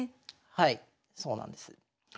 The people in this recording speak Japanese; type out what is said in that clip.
はいそうなんです。